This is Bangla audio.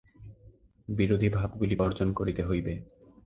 বিরোধী ভাবগুলি বর্জন করিতে হইবে।